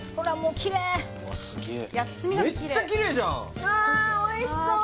うわおいしそう！